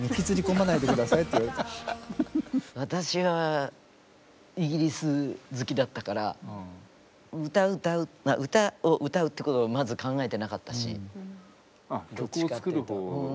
私はイギリス好きだったから歌を歌うってことはまず考えてなかったし。